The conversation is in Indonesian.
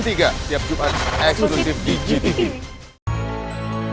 tiap jumat eksklusif di gtv